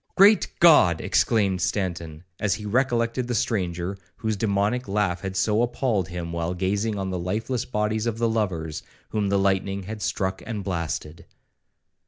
'Great G d!' exclaimed Stanton, as he recollected the stranger whose demoniac laugh had so appalled him, while gazing on the lifeless bodies of the lovers, whom the lightning had struck and blasted.